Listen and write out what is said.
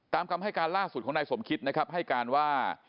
ตามคำให้การล่าสุดของนายสมคิดนะครับให้การว่า